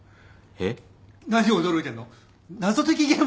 えっ！？